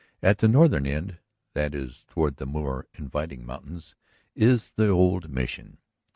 At the northern end, that is toward the more inviting mountains, is the old Mission.